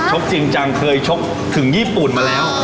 จริงจังเคยชกถึงญี่ปุ่นมาแล้ว